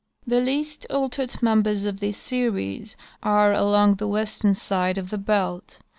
The least altered members of this series are along the western side of the belt.